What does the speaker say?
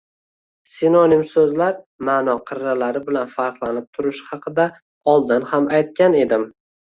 Sinonim soʻzlar maʼno qirralari bilan farqlanib turishi haqida oldin ham aytgan edim